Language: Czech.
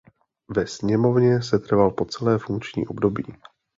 Ve sněmovně setrval po celé funkční období.